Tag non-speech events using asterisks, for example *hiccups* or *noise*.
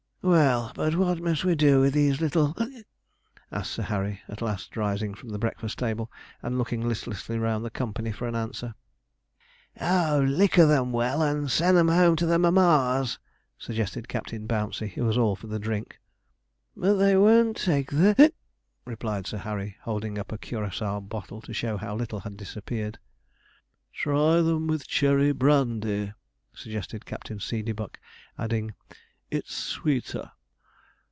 'Well, but what must we do with these little?' *hiccups* asked Sir Harry, at last rising from the breakfast table, and looking listlessly round the company for an answer. 'Oh! liquor them well, and send them home to their mammas,' suggested Captain Bouncey, who was all for the drink. 'But they won't take their,' *hiccups* replied Sir Harry, holding up a Curacao bottle to show how little had disappeared. 'Try them with cherry brandy,' suggested Captain Seedeybuck; adding, 'it's sweeter.